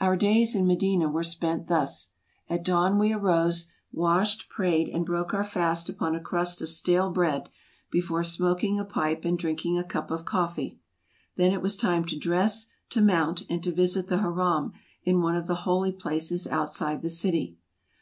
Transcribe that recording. Our days in Medina were spent thus : At dawn we arose, washed, prayed, and broke our fast upon a crust of stale bread, before smoking a pipe and drinking a cup of coffee. Then it was time to dress, to mount, and to visit the Haram in one of the holy places outside the city.